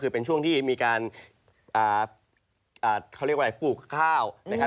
คือเป็นช่วงที่มีการฟูกเข้า